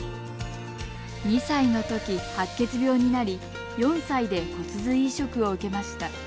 ２歳のとき、白血病になり４歳で骨髄移植を受けました。